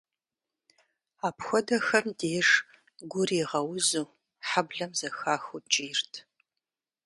Апхуэдэхэм деж, гур игъэузу, хьэблэм зэхахыу кӏийрт.